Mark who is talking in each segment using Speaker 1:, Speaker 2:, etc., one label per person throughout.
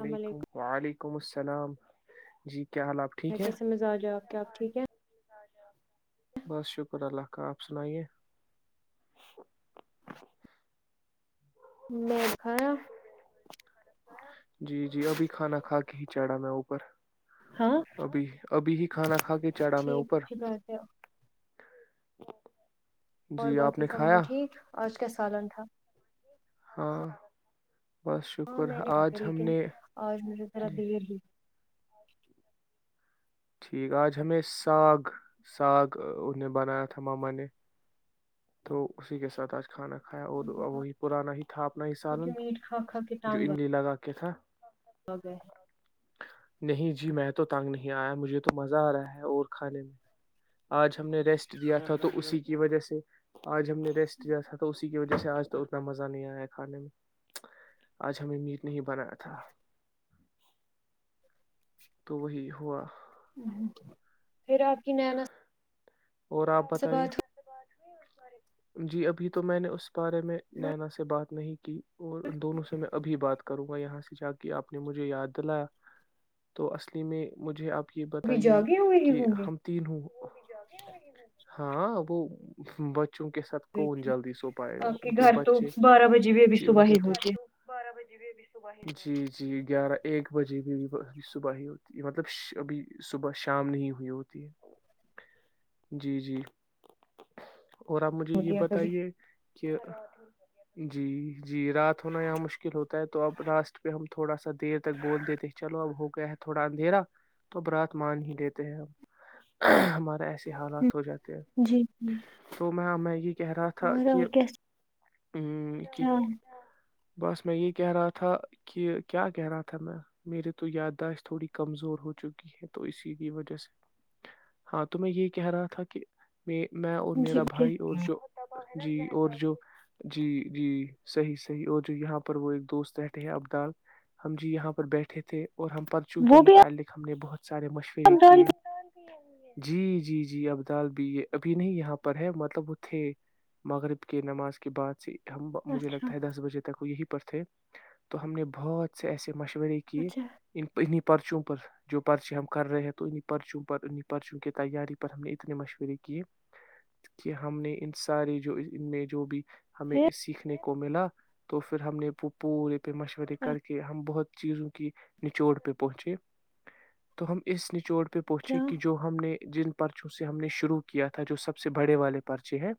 Speaker 1: السلام
Speaker 2: ویکم
Speaker 1: علیکم
Speaker 2: وال کم السلام جی کیا حال آپ ٹھیک ہیں
Speaker 1: کیسے مزاج ہے آپ کیا آب ٹھیک ہے
Speaker 2: بس شکر اللہ کا آپ سنائیے
Speaker 1: میں گھر
Speaker 2: جی جی ابھی کھانا کھا کے ہی چڑھا میں اوپر
Speaker 1: ہاں
Speaker 2: ابھی ابھی ہی کھانا کا کے چڑھا میں
Speaker 1: ٹھیک ہے
Speaker 2: اوپر
Speaker 1: جی بات ہے
Speaker 2: [unintelligible]
Speaker 1: اور
Speaker 2: آپ نے
Speaker 1: باقی سب
Speaker 2: کھایا
Speaker 1: ہاں ٹھیک اچا کا سالن تھا
Speaker 2: ہاں بس
Speaker 1: ہاں
Speaker 2: شکر
Speaker 1: میں نہیں با
Speaker 2: آج ہم
Speaker 1: لیکن
Speaker 2: نے
Speaker 1: آج مجھے ذرا
Speaker 2: جی
Speaker 1: دیر ہی
Speaker 2: ٹھیک آج ہمیں ساگ ساگ انہیں بنایا تھا ماما نے تو اسی کے ساتھ آج کھانا کھایا اور وہی پرانا ہی تھا اپنا ہی
Speaker 1: کیونکہ
Speaker 2: سالن
Speaker 1: میٹ کھا کھا کے
Speaker 2: جو
Speaker 1: ٹانگ
Speaker 2: املی لگا کے [unintelligible]
Speaker 1: آ گئے ہیں
Speaker 2: نہیں جی میں تو تنگ نہیں آیا مجھے تو مزہ آ رہا ہے اور کھانے میں آج ہم نے ریسٹ دیا تھا تو اسی کی وجہ سے آج ہم نے ریسٹ کیایا تھا اس کی وجہ سے آج تو اتنا مزہ نہیں آیا کھانے میں آج ہمیں میٹ نہیں بنایا تھا تو وہی ہوا
Speaker 1: پھر آپ کی نینا
Speaker 2: اور آپ
Speaker 1: سے
Speaker 2: بتائیے
Speaker 1: بات
Speaker 2: جی ابھی تو میں نے اس بارے میں
Speaker 1: ہو
Speaker 2: نینا سے بات نہیں کی اور ان دونوں سے میں ابھی بات کروں یہاں سے جا کے آپ نے مجھے یاد دلایا تو اصلی میں مجھے آپ یہ
Speaker 1: ابھی
Speaker 2: بتائیے
Speaker 1: جاگے ہوئے ہی
Speaker 2: کہ
Speaker 1: ہوں گے
Speaker 2: ہم تین ہوں ہاں وہ بچوں کے ساتھ کون جلدی سو پائے گا
Speaker 1: آپ کے
Speaker 2: ان
Speaker 1: گھر تو
Speaker 2: بچے
Speaker 1: بارہ بجے بھی ابھی
Speaker 2: جی ان
Speaker 1: صبح
Speaker 2: کے
Speaker 1: ہی
Speaker 2: تو
Speaker 1: ہوتے
Speaker 2: جی جی گیارہ ایک بجے بھی صبح ہی ہوتی ہے مطلب ابھی صبح شام نہیں ہوئی ہوتی ہے جی جی اور آپ مجھے یہ
Speaker 1: ہوتی ہے کبھی
Speaker 2: بتائیے کہ جی جی رات ہونا یہاں مشکل ہوتی ہوتا تو اب راسٹ پہ ہم تھوڑا سا دیر تک بول دیتے ہیں چلو اب ہو گیا ہے تھوڑا اندھیرا تو اب رات مان ہی لیتے ہیں ہم ہمارا ایسے حالات ہو جاتے ہیں
Speaker 1: جی جی
Speaker 2: میںم گی کہہ رہا تھا کہ کہ
Speaker 1: ہاں
Speaker 2: بس میں یہ کہہ رہا تھا کہ کیا کہہ رہا تھا میں میرے تو یادداشت تھوڑی کمزور ہو چکی ہے تو اسی کی وجہ سے ہاں تو میں یہ کہہ رہا تھا کہ میں میں اور میرا
Speaker 1: جیب کیا
Speaker 2: بھائی اور جو جی اور جو جی جی صحیح صحیح اور جو یہاں پر وہ ایک دوست رہھے ہیں ابدال ہم جی یہاں پر بیٹھے تھے اور ہم پرچوں کے
Speaker 1: وہ بھی
Speaker 2: متعلق ہم نے بہت سارے مشورے
Speaker 1: آپ ڈال
Speaker 2: کیے جی جی جی عبدال بھی یہ ابھی نہیں یہاں پر پر ہے مطلب وہ تھے مغرب کی نماز کے بعد سے ہم مجھے
Speaker 1: اچھا
Speaker 2: لگتا ہے دس بجے تک یہی پر تھے تو ہم نے بہت سے ایسے مشورے کی
Speaker 1: اچھا
Speaker 2: ان پرچوں پر جو پرچے ہم کر رہے ہیں تو انہیں پرچوں پر انہیں پرچیوں کی تیاری پر ہم نے اتنے مشورے کیے کہ ہم نے ان سارے جو ان میں جو بھی ہمیں
Speaker 1: پھر
Speaker 2: اس سیکھنے کے کو ملا تو پھر ہم نے پپور پہ مشورے کر کے ہم بہت چیزوں کی نچوڑ پہ پہنچے تو ہم اس نچوڑ پہ پہ پہنچے
Speaker 1: کیا
Speaker 2: کہ جو ہم نے جن پرچوں سے ہم نے شروع کیا تھا جو سب سے بڑے والے پرچے ہیں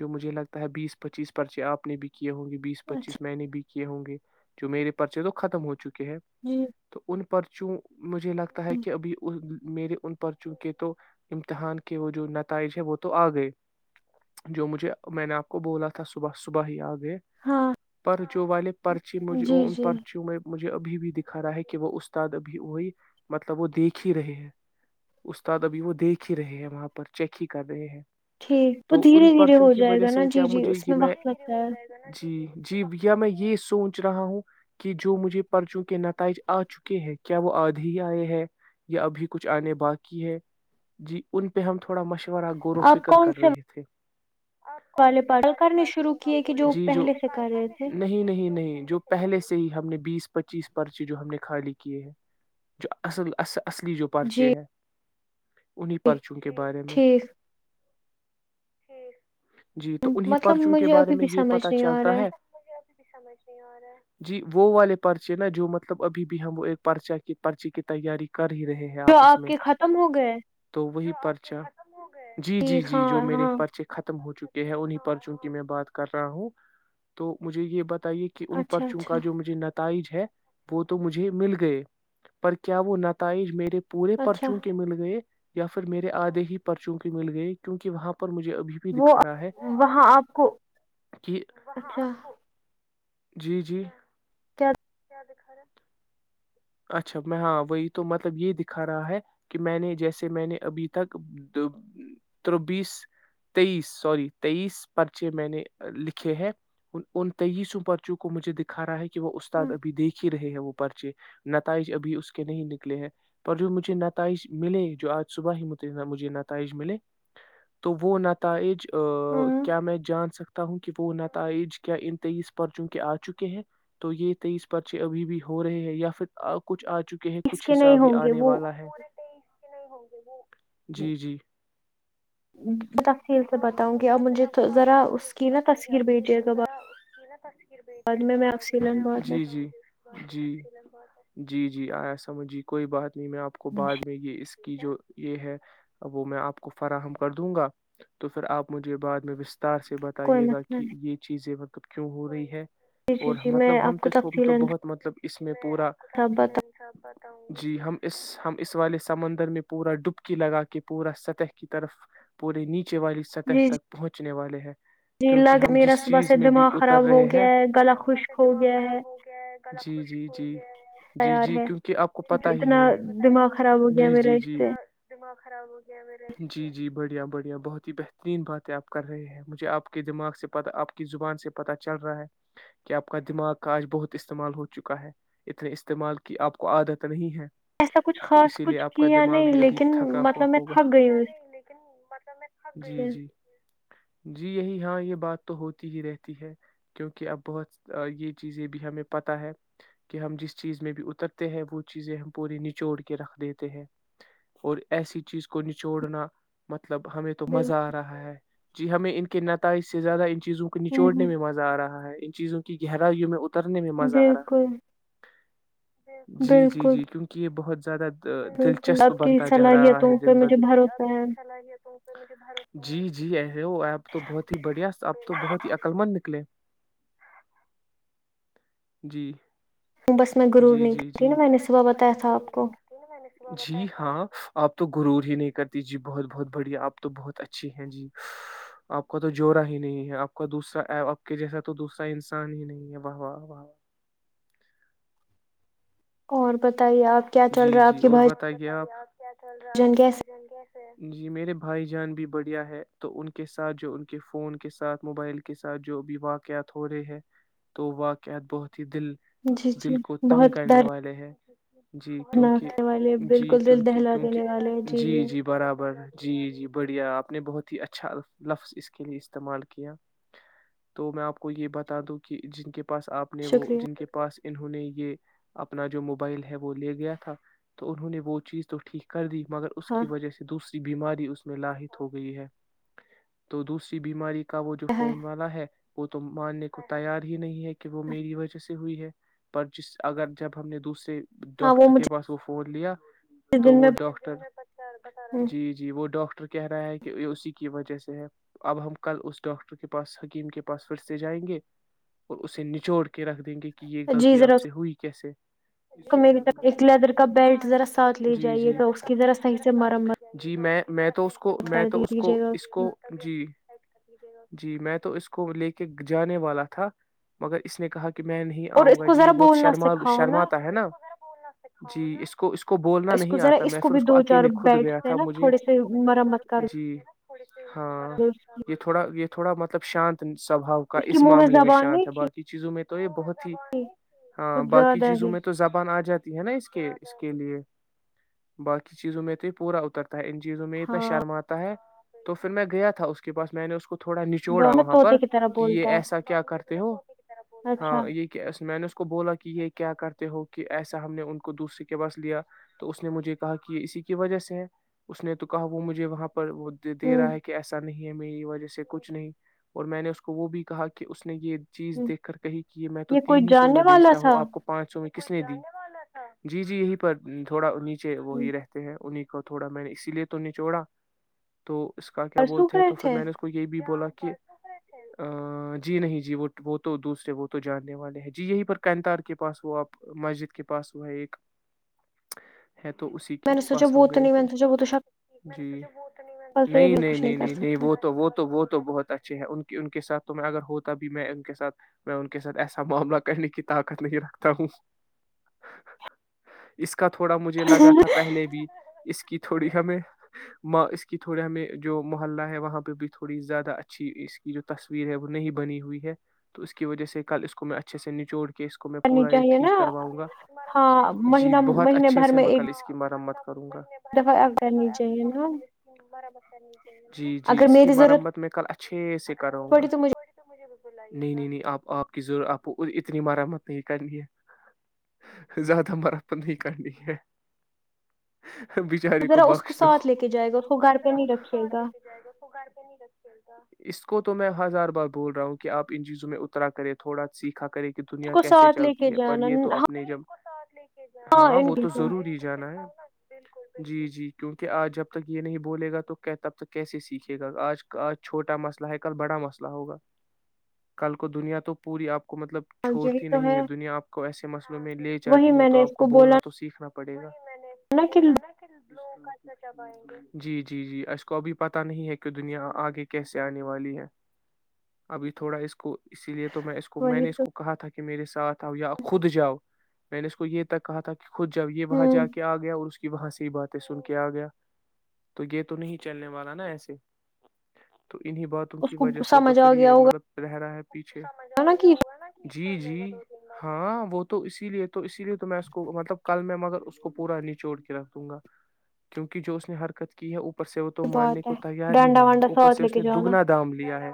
Speaker 2: جو مجھے لگتا ہے بیس پچیس پرچے آپ نے بھی کیا کیے ہوں گے بیس
Speaker 1: اچھا
Speaker 2: پچیس میں نے بھی ے ہوں گے جو میرے پرچے تو ختم ہو چکے ہیں
Speaker 1: جی
Speaker 2: تو ان پ [unintelligible] پرچوں مجھے لگتا ہے
Speaker 1: جی
Speaker 2: کہ ابھی میرے ان پرچوں کے تو امتحان کے وہ جو نتائج ہے وہ تو آ گئے جو مجھے میں نے آپ کو بولا تھا صبح صبح ہی آ گئے
Speaker 1: ہاں
Speaker 2: پر جو والے پرچی مجھے وہ
Speaker 1: جی
Speaker 2: ان
Speaker 1: جی
Speaker 2: پرچیوں میں مجھے ابھی بھی دکھا رہا ہے کہ وہ استاد ابھی وہی مطلب وہ دیکھ ہی رہے ہیں استاد ابھی وہ دیکھ ہی رہے ہیں وہاں پر چیک ہی کر بھیی ہے
Speaker 1: ٹھیک وہ دھیرے دھیرے ہو جائے گا نا
Speaker 2: سے کیا
Speaker 1: جی جی
Speaker 2: مجھے
Speaker 1: اس
Speaker 2: یہ
Speaker 1: میں وقت لگتا ہے
Speaker 2: جی جی یا میں یہ سوچ رہا ہوں کہ جو مجھے پرچوں کے نتائج آ چکے ہیں کیا وہ آدھی ہی آئے ہے یا ابھی کچھ آنے باقی ہے جی ان پہ ہم تھوڑا مشورہ ا گور و
Speaker 1: آپ
Speaker 2: فکر
Speaker 1: کون
Speaker 2: کر
Speaker 1: سے
Speaker 2: رہے تھے [unintelligible] آپ کون سے
Speaker 1: پاگل
Speaker 2: والے
Speaker 1: کرنے شروع
Speaker 2: پارچوں
Speaker 1: کیے کہ
Speaker 2: ب جی جو
Speaker 1: پہلے سے کر رہے تھے
Speaker 2: نہیں نہیں نہیں جو پہلے سے [unintelligible] ہی ہم نے بیس پچیس پرچی جو ہم نے خالی کیے ہیں جو اصل ال اصلی جو پرچے
Speaker 1: جی
Speaker 2: ہے انہیں پرچوں کے بارے میں
Speaker 1: ٹھیک
Speaker 2: ٹھ [unintelligible] جی تو انہیں
Speaker 1: مطلب
Speaker 2: پرچوں کے
Speaker 1: مجھے
Speaker 2: بارے
Speaker 1: ابھی
Speaker 2: میں
Speaker 1: بھی
Speaker 2: یہ
Speaker 1: سمجھ
Speaker 2: پتا
Speaker 1: نہیں آ
Speaker 2: چلتا
Speaker 1: رہا
Speaker 2: ہے مب بھی سمجھ نہیں آ رہا ہے جی وہ والے پرچے نا جو مطلب ابھی بھی ہم ایک پرچہ کی پرچی کی تیاری کر ہی رہے ہیں
Speaker 1: جو
Speaker 2: آپس
Speaker 1: آپ
Speaker 2: میں
Speaker 1: کے ختم ہو گئے
Speaker 2: تو وہی پرچا جی جی
Speaker 1: ٹھیک
Speaker 2: جی
Speaker 1: ہاں
Speaker 2: جو میرے
Speaker 1: ہاں
Speaker 2: پرچے ختم ہو چکے ہیں انیں پرچوں کی میں بات کر رہا ہوں تو مجھے یہ بتا یہ کہ ان
Speaker 1: اچھا
Speaker 2: پرچوں کا
Speaker 1: اچھا
Speaker 2: جو مجھے نتا تائج ہے وہ تو مجھے مل گئے پر کیا وہ نتائج میرے پورے
Speaker 1: اچھا
Speaker 2: پرچوں کے مل گئے یا پھر میرے آدھے ہی پر چونکی مل گئی کیونکہ وہاں پر مجھے ابھی بھی
Speaker 1: وہ
Speaker 2: دکھا رہا ہے
Speaker 1: وہاں آپ کو
Speaker 2: کہ
Speaker 1: اچھا
Speaker 2: جی جی
Speaker 1: چ
Speaker 2: د خرا اچھا میں ہاں وہی تو مطلب یہ دکھا رہا ہے کہ میں نے جیسے میں نے ابھی تک تروبیس تیئیس سوری تیئیس پرچے میں نے لکھے ہیں ان تیئیسوں پرچوں کو مجھے دکھا رہا ہے کہ کہ وہ استاد اب دیکھ ہی رہے ہیں وہ پچی نتائج ابھی اس کے نہیں نکلے ہیں پر جو مجھے نتائج ملے جو آج صبح ہی مجھے نتائج ملے تو وہ نتائج
Speaker 1: ہاں
Speaker 2: کیا میں جان سکتا ہوں کہ وہ نتائج کیا ان تیئیس پرچوں کے آ چکے ہیں تو یہ تیئیس پرچے ابھی بھی ہو رہے ہیں یا پھر اور کچھ آ چکے ہیں
Speaker 1: اس
Speaker 2: کچھ
Speaker 1: کے نہیں
Speaker 2: حسہاب بھی
Speaker 1: ہوں گے
Speaker 2: آنے
Speaker 1: وہ
Speaker 2: والا ہے جی جی
Speaker 1: ت [unintelligible]
Speaker 2: تو ہم مجھے لگتا آپ کو بعد میں تیر
Speaker 1: اس
Speaker 2: سے
Speaker 1: کی نا
Speaker 2: بتاؤں گی اور
Speaker 1: تصویر
Speaker 2: مجھے
Speaker 1: بھیجیے گا
Speaker 2: ذرا اس نا تیر
Speaker 1: بعد میں میں تفصیلا
Speaker 2: بھیج
Speaker 1: بعد میں
Speaker 2: جی جی جی جی [unintelligible] ہے جی آیا سمجھھیی کوئی بات میں آپ کو بعد میں یہ اس کی جو یہ ہے وہ میں آپ کو فراہم کر دوں گا تو پھر آپ مجھے یہ بع میں [unintelligible] ار سے
Speaker 1: کوئی
Speaker 2: بتائیے گا
Speaker 1: مسئلہ
Speaker 2: کہ
Speaker 1: نہیں
Speaker 2: یہ چیزیں مطلب کیوں ہو رہی ہے
Speaker 1: جی جی
Speaker 2: اور
Speaker 1: جی میں
Speaker 2: مطلب ہم
Speaker 1: آپ کو
Speaker 2: تو تھ
Speaker 1: تفصیلا
Speaker 2: تو بہت مطلب اس میں پورا
Speaker 1: سب بتا
Speaker 2: جی ہم اس ہم اس والے سمندر میں پورا ڈبکی لگا کے پورا سطح کی طرف پورے نیچے چ والی سطح
Speaker 1: جی جی
Speaker 2: تک پہنچنے والے ہیں
Speaker 1: جی ل
Speaker 2: کیونکہ ہم
Speaker 1: میرا
Speaker 2: جس
Speaker 1: صبح سے
Speaker 2: چیز میں بھی
Speaker 1: دماغ
Speaker 2: اتر
Speaker 1: خراب ہو
Speaker 2: رہے
Speaker 1: گیا
Speaker 2: ہیں
Speaker 1: ہے گلا خشک ہو گیا ہے
Speaker 2: جی جی جی
Speaker 1: تیار
Speaker 2: جی
Speaker 1: ہے
Speaker 2: کیونکہ آپ کو پت
Speaker 1: کیونکہ
Speaker 2: ہی
Speaker 1: اتنا
Speaker 2: ہے
Speaker 1: دماغ خراب ہو گیا
Speaker 2: جی
Speaker 1: میرا
Speaker 2: جی
Speaker 1: اس
Speaker 2: جی
Speaker 1: سے
Speaker 2: خراب ہو گیا جی جی بڑھیا بڑھیا بہت ا بہترین باتیں آپ کر رہے ہیں مجھے آپ کے دماغ سے پتا آپ کی زبان سے پتہ چل رہا ہے کہ آپ کا دماغ کا آج بہت استعمال ہو چکا ہے اتنے استعمال کی آپ کو عادت نہیں ہے
Speaker 1: ایسا کچھ
Speaker 2: تو
Speaker 1: خاص
Speaker 2: اسی لیے
Speaker 1: کچھ
Speaker 2: آپ کا
Speaker 1: کیایا
Speaker 2: دماغ
Speaker 1: نہیں
Speaker 2: بھی ابھی
Speaker 1: لیکن
Speaker 2: تھکا ہوا
Speaker 1: مطلب میں
Speaker 2: ہوگا
Speaker 1: تھک گئی ہوں
Speaker 2: جی
Speaker 1: سے
Speaker 2: جی جی یہی ہاں یہ بات تو ہوتی ہی رہتی ہے کیونکہ اب بہت یہ چیزیں بھی ہمیں پتہ ہے کہ ہم جس چیز میں بھی اترتے ہیں وہ چیزیں ہم پوری نچوڑ کے رکھ دیتے ہیں اور ایسی چیز کو نچوڑنا مطلب ہم تو مزہ آ رہا ہے جی ہمیں ان کے نتائج سے زیادہ ان چیزوں کو نچوڑنے
Speaker 1: بالکل
Speaker 2: میں مزہ آ رہا ہے ان چیزوں کی گہرائی یہ میں تیرنے میں مزہ آ رہا ہے
Speaker 1: بالکل
Speaker 2: جی جی جی کیونکہ یہ بہت زیادہ
Speaker 1: ک
Speaker 2: دلچسپ
Speaker 1: آپ کی
Speaker 2: بنتا جا رہا
Speaker 1: صلاحیتوں
Speaker 2: ہے
Speaker 1: پہ
Speaker 2: دن بہ
Speaker 1: مجھے
Speaker 2: دن
Speaker 1: بھروسہ ہے
Speaker 2: صلاحیتوں پہ جی جی ہے ہو آپ تو بہت ہی بڑھیا اپ تو بہت ہی عقللمند نکلے جی
Speaker 1: بس میں رور
Speaker 2: جی
Speaker 1: نہیں
Speaker 2: جی
Speaker 1: کر رہی
Speaker 2: جی
Speaker 1: نا
Speaker 2: وہ
Speaker 1: میں نے صبح بتایا تھا آپ کو
Speaker 2: جی ہاں آپ تو گرور ہی نہیں کرتی جی بہت بہت بڑھیا آپ تو بہت اچھی ہیں جی آپ کا تو جوورا ہی نہیں ہے آپ کا دوسرا آپ کے جیسا تو دوسرا انسان ہی نہیں ہے واہ واہاہ
Speaker 1: اور بت بتائیے آپ کیا چل رہا آپ کی بھائی
Speaker 2: کیا چ رہا ہے آپ
Speaker 1: جان
Speaker 2: کی
Speaker 1: کیسے
Speaker 2: بائی جنگ گ جی میرے بھائی جان بھی بڑھیا ہے تو ان کے ساتھ جو ان کے فون کے ساتھ موبائل کے ساتھ جو بھی واقعات ہو رہے ہیں تو واقعات بہت دل
Speaker 1: جی جی
Speaker 2: دل کو تنگ
Speaker 1: بہت
Speaker 2: کرنے والے ہیں جی کیونکہ
Speaker 1: دردناک ہے والے
Speaker 2: جی
Speaker 1: بالکل دل
Speaker 2: کیونکہ
Speaker 1: دہلا
Speaker 2: کیونکہ
Speaker 1: دینے والے ہیں۔
Speaker 2: جی جی برابر ہے جی جی بڑھیا آپ نے بہت ہی اچھا لفظ اس کے لیے استعمال کیا تو میں آپ کو یہ بتا دوں کہ جن کے پاس آپ نے وہ
Speaker 1: شکریہ
Speaker 2: جن کے پاس انہوں نے یہ اپنا جو موبائل ہے وہ لیا گیا تھا تو انہوں نے وہ چیز تو ٹھیک کر دی مگر اس
Speaker 1: ہاں
Speaker 2: کی وجہ سے دوسری بیماری اس میں لاحت ہو گئی ہے تو دوسری بیماری کو کا وہ جو
Speaker 1: ہے،
Speaker 2: فون والا ہے وہ تو ماننے کو تیار ہی نہیں ہے کہ کہ وہ میری وجہ سے ہوئی ہے پر جس اگر جب ہم نے دوسرے
Speaker 1: ہاں
Speaker 2: ڈاکٹر کے
Speaker 1: مجھے
Speaker 2: پاس وہ فون بیا تو
Speaker 1: دن میں
Speaker 2: وہ ڈاکٹر جی جی وہ ڈاکٹر ر کہ رہا ہے کہ یہ اسی کی وجہ سے ہے اب ہم کل اس ڈاکٹر کے پاس حکیم کے پاس پھر سے جائیں گے اور اسے نچوڑ کے رکھ دیں گے کہ یہ
Speaker 1: جی
Speaker 2: غلطی
Speaker 1: ذرا
Speaker 2: آپ
Speaker 1: اس
Speaker 2: سے ہوئی کیسے
Speaker 1: کو
Speaker 2: جیر
Speaker 1: میری طرف ایک لیدر کا بیلٹ
Speaker 2: ہاں
Speaker 1: ذرا
Speaker 2: جی جی
Speaker 1: ساتھ لے
Speaker 2: جی جی
Speaker 1: جائیے گا اس کی ذرا صحیح سے
Speaker 2: بی
Speaker 1: مرمت
Speaker 2: جی میں میں تو اس کو کو میں
Speaker 1: کر
Speaker 2: تو
Speaker 1: دے
Speaker 2: اس کو
Speaker 1: دیجیے گا
Speaker 2: اس
Speaker 1: کی،
Speaker 2: کو جی جی میں تو تو اس کو لے کے جانے والا تھا مگر اس نے کہا کہ میں نہیں
Speaker 1: اور
Speaker 2: آؤں
Speaker 1: اس
Speaker 2: گا
Speaker 1: کو
Speaker 2: جی
Speaker 1: ذرا
Speaker 2: یہ بہت
Speaker 1: بولنا
Speaker 2: شرما
Speaker 1: سکھاؤ نا
Speaker 2: شرما تھا جی اسکو اس کو اس کو بولنا
Speaker 1: اس کو
Speaker 2: نہیں
Speaker 1: ذرا
Speaker 2: آتا میں پھر
Speaker 1: بھی
Speaker 2: اس کو
Speaker 1: دو چار
Speaker 2: اکیلے کھود
Speaker 1: بیلٹ
Speaker 2: گیا
Speaker 1: سے
Speaker 2: تھا
Speaker 1: نا
Speaker 2: مجھے
Speaker 1: تھوڑے سے
Speaker 2: دو
Speaker 1: مرمت کر
Speaker 2: جی ہاں
Speaker 1: دو اس کی
Speaker 2: یہ تھوڑا یہ تھوڑا مطلب شانت سوباؤ کا
Speaker 1: کی
Speaker 2: اس
Speaker 1: منہ
Speaker 2: معاملے میں
Speaker 1: زبان نہیں
Speaker 2: شانت ہے باقی چیزوں میں تو تو یہ بہت
Speaker 1: تھی
Speaker 2: ہاں
Speaker 1: کچھ
Speaker 2: باقی
Speaker 1: زیادہ
Speaker 2: چیزوں
Speaker 1: ہی
Speaker 2: میں آ جاتی ہے نا اس کے اس کے لیے باقی چیزوں میں تو یہ پورا اترتا ہے ان چیزوں میں اتنا
Speaker 1: ہاں
Speaker 2: شرما آتا ہے تو پھر میں گیا تھا اس کے پاس میں نے اس کو تھوڑا نچوڑا
Speaker 1: بہت
Speaker 2: وہاں پر
Speaker 1: طوطے کی طرح
Speaker 2: کہ یہ
Speaker 1: بولتا
Speaker 2: ایسا کیا کرتے تے ہو
Speaker 1: ہے اچھا
Speaker 2: ہاں یہ کیا میں نےاسل کو بولا کہ یہ کیا کرتا ہو کہ ایسا ہم نے ان کو دوسرے کے پاس لیا تو اس نے مجھے کہا کہ یہ اسی کی وجہ سے ہے اس نے تو کہا وہ مجھے وہاں وہ دے
Speaker 1: ہوں
Speaker 2: رہا ہے کہ ایسا نہیں نہیں ہے میری وجہ سے کچھ نہیں اور میں نے اس کو وہ بھی کہا کہ اس نے یہ چیز
Speaker 1: ہوں
Speaker 2: دیکھ کر کہی کہ میں تو
Speaker 1: یہ کوئی
Speaker 2: تین ہی سو
Speaker 1: جاننے
Speaker 2: میں
Speaker 1: والا
Speaker 2: بیچتا
Speaker 1: تھا
Speaker 2: ہوں آپ کو پانچ سو میں کس نے دی جی جی یہیں پر تھوڑا انی وہی رہتے ہیں انہیں کے تھوڑا میں نے اسی لیے تو نچوڑا تو اس کا کیا
Speaker 1: پرسوں
Speaker 2: بولتے ہیں
Speaker 1: گئے
Speaker 2: تو پھر
Speaker 1: تھے
Speaker 2: میں نے اس کو یہ بھی بولا کہ کہ جی نہیں جی وہ وہ تو دوسرے وہ تو جاننے والے ہیں جی یہی پر کنتار کے پاس وہ آپ مسجد کے پاس ہوا ہے ایک ہے تو اسی
Speaker 1: میں نے سوچا وہ تو نہیں میں نے سوچا وہ تو شک
Speaker 2: جی نہیں نہیں نہیں
Speaker 1: کر
Speaker 2: نہیں نہیں
Speaker 1: سکتا
Speaker 2: وہ تو وہ تو وہ تو بہت اچھا اچھے ان کی ان کے ساتھ تو میں اگر ہوتا بھی میں ان کے سھ میں ان کے ساتھ ایسا معاملہ کرنے کی طاقت نہیں رکھتا ہوں اس کا تھوڑا مجھے لگا تھا پہلے بھی اس کی تھوڑی ہمیںاں اس کی تھوڑی ہمیں جو محلہ ہے وہاں پہ بھی تھوڑی زیادہ اچھی اس کی جو تصویر ہے وہ نہیں بنی ہوئی ہے تو اس کی وجہ سے کل اس کو میں اچھے سے نچوڑ کیس کو میں
Speaker 1: کرنی
Speaker 2: پورا ہی
Speaker 1: چاہیے نا
Speaker 2: ٹھیک کرواؤں گا
Speaker 1: ہاں
Speaker 2: جی بہت اچھے سے میں کل اس کی مرمت کروں گا
Speaker 1: دوفائی ا کرنی چاہیے نا
Speaker 2: ہ جی جی
Speaker 1: اگر
Speaker 2: اس کی
Speaker 1: میری ضرورت
Speaker 2: مرمت میں کل اچھے سے کراوں گا
Speaker 1: پڑی تو مجھے
Speaker 2: نہیں نہیں نہیں آپ آپ کی ضرور آپ اتنی مرمت نہیں کرنی ہے زیادہ ہم مارپن نہیں کرنی ہے
Speaker 1: تو
Speaker 2: بیچارے
Speaker 1: ذرا اس کو
Speaker 2: بخش دو
Speaker 1: ساتھ لے کے جائے گا اس کو گھر پہ نہیں رکھھیے گا
Speaker 2: اس کو تو میں ہزار بار بول رہا ہوں کہ آپ ان چیزوں میں اترا کرے تھوڑا سیکھا کرے کہ
Speaker 1: اس
Speaker 2: دنیا
Speaker 1: کو
Speaker 2: کیسے
Speaker 1: ساتھ لے کے
Speaker 2: چلتی ہے
Speaker 1: جانا
Speaker 2: ے تو اپنے جب پرساد لے کے ہاں وہ تو ضرور ہی جانا ہے جی جی کیونکہ آج جب تک یہ نہیں بولے گا تو تب تک کیسے سیکھے گا آج آج چھوٹا مسئلہ ہے کل بڑا مسئلہ ہوگا کل کو دنیا تو پوری آپ مطلب
Speaker 1: ہاں یہی
Speaker 2: چھوڑتی
Speaker 1: تو
Speaker 2: نہیں ہے دنیا آپ کو ایسے مسئلوں میں لے
Speaker 1: وہی
Speaker 2: جاتی ہے
Speaker 1: میں
Speaker 2: تو
Speaker 1: نے اس
Speaker 2: آپ کو
Speaker 1: بولا
Speaker 2: بولنا تو سیکھنا نا پڑے گا [unintelligible] میں نے اس کو بولا نا کہ [unintelligible] جی جی جی اس کو ابھی پت نہیں ہے کہ دنیا آگے کیسے آنے والی ہے ابھی تھوڑا اس کو اسی لیے [unintelligible] تو میں اس کو میں
Speaker 1: وہی
Speaker 2: نے اس
Speaker 1: تو
Speaker 2: کو کہا تھا کہ [unintelligible] کہ میرے ساتھ آ [unintelligible] خود جاؤ [unintelligible] میں نے اس کو یہ تک کہا تھا کہ [unintelligible] خود جب یہ
Speaker 1: ہ
Speaker 2: وہاں جا کے آ گیا اور اس کہ وہاں سے یہ باتیں سن کے آ گیا تو یہ تو نہیں چلنے والا نا ایسے [unintelligible] تو انہی باتوں
Speaker 1: اس
Speaker 2: کی
Speaker 1: کو
Speaker 2: وجہ سے تو
Speaker 1: سمجھ
Speaker 2: پھر
Speaker 1: آ گیا
Speaker 2: یہ مطلب
Speaker 1: ہوگا
Speaker 2: چہرا ہے پیچھے س م آ
Speaker 1: نا
Speaker 2: گیا
Speaker 1: کہ
Speaker 2: ہوگا نا جی جی [unintelligible] ہاں وہ تو اسی لیے [unintelligible] تو اسی لیے تو میں اس کو مطلب کل میں مگر [unintelligible] اس کو پورا نچوڑ کے رکھ دوں گا کیونکہ جو اس نے حرکت کی ہے وہ اپر سے وہ تو ماننے
Speaker 1: بات ہے
Speaker 2: کو تیار ہی
Speaker 1: ڈانڈا
Speaker 2: نہیں ہے
Speaker 1: وانڈا
Speaker 2: اوپر
Speaker 1: ساتھ
Speaker 2: سے
Speaker 1: لے
Speaker 2: اس
Speaker 1: کے
Speaker 2: نے
Speaker 1: جانا
Speaker 2: دگنا دام لیا ہے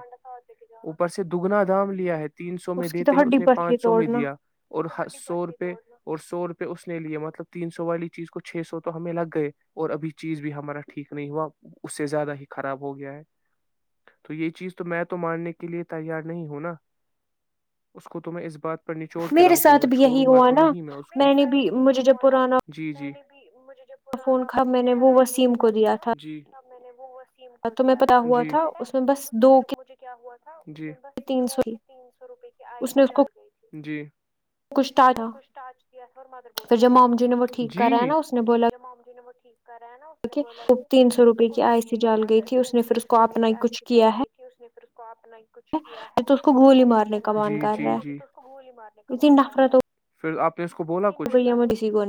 Speaker 2: پر سے دگنا دام لیا ہے [unintelligible] تین سو میں
Speaker 1: کی تو
Speaker 2: دیتے ہیں اس
Speaker 1: ہڈی
Speaker 2: نے
Speaker 1: پسلی
Speaker 2: پانچ سو میں
Speaker 1: توڑنا
Speaker 2: دیا [unintelligible] اور ہ سو روپے اور سو روپئے اس نے لیے مطلب تین سو والی چیز کو چھ سو تو ہمیں لگ گئے اور ابھی چیز بھی ہمارا ٹھیک نہیں ہوا اس سے زیادہ ہی خراب ہو گیا ہے تو یہ چیز تو میں تو ماننے کے لیے تیار نہیں ہوں نا اس کو تو میں اس بات پر چوڑ کے
Speaker 1: میرے
Speaker 2: رکھ دوں
Speaker 1: ساتھ
Speaker 2: گا
Speaker 1: بھی یہی
Speaker 2: چھوڑوں گا
Speaker 1: ہوا
Speaker 2: تو
Speaker 1: نا
Speaker 2: نہیں میں اس کو
Speaker 1: نے بھی مجھے جب پرانا
Speaker 2: جی جی [unintelligible] مجھے جو پرانا
Speaker 1: تھا میں
Speaker 2: فون
Speaker 1: نے وہ
Speaker 2: خراب ہو
Speaker 1: وسیم کو
Speaker 2: گیا تھا
Speaker 1: دیا
Speaker 2: نا جی [unintelligible] میں نے ب [unintelligible] کو
Speaker 1: تمہیں
Speaker 2: دیا
Speaker 1: پتا
Speaker 2: تھا
Speaker 1: ہوا
Speaker 2: پ
Speaker 1: میں بس
Speaker 2: اس
Speaker 1: دو کے
Speaker 2: مجھے کیا ہوا تھا بس
Speaker 1: تین
Speaker 2: دو
Speaker 1: سو تھی
Speaker 2: تین سو روپے کی آئی
Speaker 1: اس
Speaker 2: سی
Speaker 1: نے اس کو
Speaker 2: جال گئی تھی [unintelligible] جی
Speaker 1: کچھ ڈالا
Speaker 2: اس
Speaker 1: پھر
Speaker 2: کیاا
Speaker 1: جب مام جی نے وہ ٹھیک
Speaker 2: جی
Speaker 1: کرا ہے نا اس نے بولا
Speaker 2: [unintelligible] نم ٹھیک [unintelligible] کرایا نا اس نے بولا کہ
Speaker 1: تین سو روپے کی
Speaker 2: کچھ
Speaker 1: آئی
Speaker 2: بھی
Speaker 1: سی
Speaker 2: نہیں
Speaker 1: ڈال
Speaker 2: ہوا تھا
Speaker 1: گئی تھی
Speaker 2: اس کو
Speaker 1: نے پھر
Speaker 2: تین سو روپے
Speaker 1: اپنا
Speaker 2: کی
Speaker 1: ہی
Speaker 2: آئی
Speaker 1: کچھ
Speaker 2: س جال
Speaker 1: کیا
Speaker 2: گئی تھی اس نے پھر [unintelligible] کچھ کیا ہے
Speaker 1: تو اس کو گولی
Speaker 2: یکنیش
Speaker 1: مارنے کا
Speaker 2: جی
Speaker 1: مان کر
Speaker 2: جی
Speaker 1: رہا ہے
Speaker 2: جی [unintelligible] گولی مارنے کا
Speaker 1: اتنی
Speaker 2: من کر رہا
Speaker 1: نفرت
Speaker 2: ہے پھر آپ [unintelligible] تو اس کو بولا
Speaker 1: ہو
Speaker 2: کچھ
Speaker 1: گئی ہے مجھے کسی
Speaker 2: [unintelligible]
Speaker 1: کو